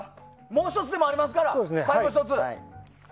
もう１つありますから。